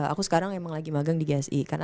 aku sekarang emang lagi magang di gsi